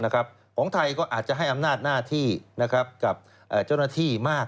ของไทยก็อาจจะให้อำนาจหน้าที่กับเจ้าหน้าที่มาก